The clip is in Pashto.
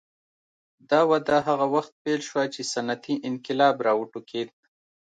دا وده هغه وخت پیل شوه چې صنعتي انقلاب راوټوکېد.